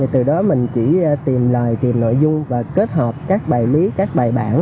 từ đó mình chỉ tìm lời tìm nội dung và kết hợp các bài lý các bài bản